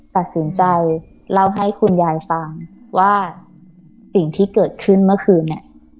ตัดสินใจเล่าให้คุณยายฟังว่าสิ่งที่เกิดขึ้นเมื่อคืนเนี่ย